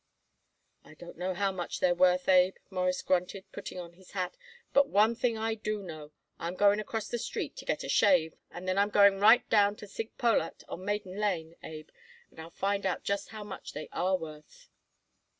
"I don't know how much they're worth, Abe," Morris grunted, putting on his hat, "but one thing I do know; I'm going across the street to get a shave; and then I'm going right down to Sig Pollak on Maiden Lane, Abe, and I'll find out just how much they are worth."